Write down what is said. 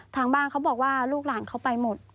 ทางบ้านเขาบอกว่าลูกหลานเขาไปหมด